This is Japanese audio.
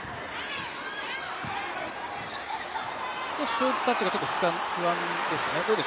シュートタッチが少し不安ですかね。